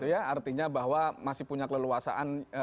artinya bahwa masih punya keleluasaan